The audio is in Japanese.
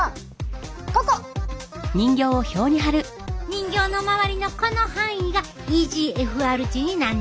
人形の周りのこの範囲がｅＧＦＲ値になんねん。